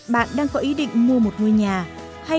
bạn đang có ý định mua một ngôi nhà